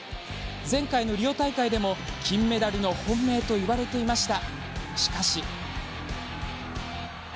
前回のリオ大会でも金メダルの本命といわれていました。